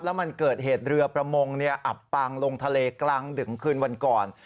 แล้วมันเกิดเหตุเรือประมงอับปางลงทะเลกลางดึกคืนวันก่อน